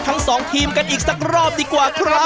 ทั้งสองทีมกันอีกสักรอบดีกว่าครับ